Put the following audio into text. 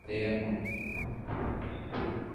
waliowakwi ambao wamekuwa wakiishi katika vyumba